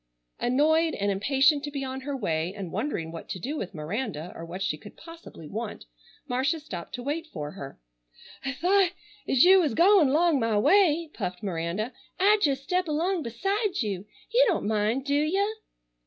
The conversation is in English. Annoyed, and impatient to be on her way, and wondering what to do with Miranda, or what she could possibly want, Marcia stopped to wait for her. "I thought—as you was goin' 'long my way"—puffed Miranda, "I'd jes' step along beside you. You don't mind, do you?"